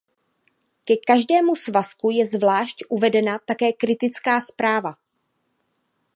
Ke každému svazku je zvlášť uvedena také kritická zpráva.